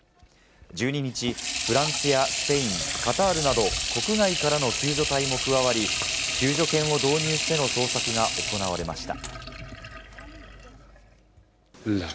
１２日、フランスやスペイン、カタールなど国外からの救助隊も加わり、救助犬を導入しての捜索が行われました。